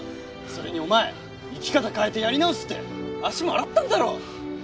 それにお前生き方変えてやり直すって足も洗ったんだろう！